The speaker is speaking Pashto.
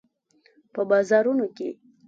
په بازارونو کې